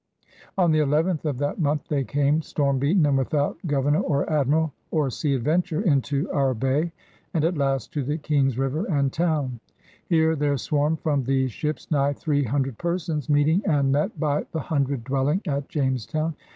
On the eleventh of that month they came, storm beaten and without Gov ernor or Admiral or Sea Adventure, into *'our Bay and at last to ''the King's River and Town. Here there swarmed from these ships nigh three hundred persons, meeting and met by the hun dred dwelling at Jamestown.